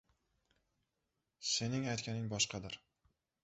Sening aytganing boshqadir!